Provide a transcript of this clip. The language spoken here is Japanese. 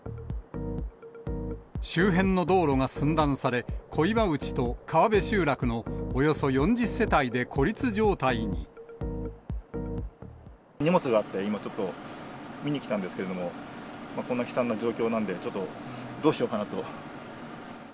周辺の道路が寸断され、小岩内と川辺集落のおよそ４０世帯で孤立荷物があって、今ちょっと見に来たんですけれども、こんな悲惨な状況なんで、ちょっとどうしようかなと。